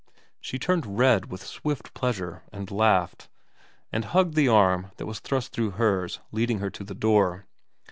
She turned red with swift pleasure, and laughed, and hugged the arm that was thrust through hers leading her to the door.